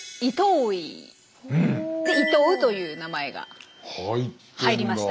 で「イトウ」という名前が入りました。